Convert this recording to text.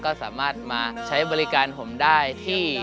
ก็สามารถมาใช้บริการผมได้ที่